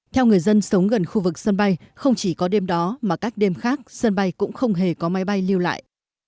theo người dân sống gần khu vực sân bay không chỉ có đêm đó mà các đêm khác sân bay cũng không hề có máy bay lưu lại